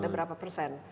ada berapa persen